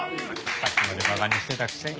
さっきまで馬鹿にしてたくせに。